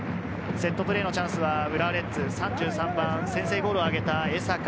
セットプレーのチャンスは浦和レッズ、３３番、先制ゴールを挙げた江坂。